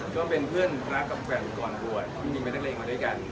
ก็เป็นเพื่อนรักกับกันก่อนบทไม่มีเป็นนักแรงกันด้วยกัน